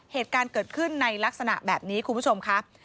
เหตุการณ์เกิดขึ้นในลักษณะแบบนี้คุณผู้ชมครับ